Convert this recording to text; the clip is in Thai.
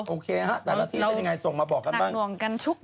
โอเคฮะแต่ละที่เป็นอย่างไรส่งมาบอกกันบ้างหนักหน่วงกันทุกข้าง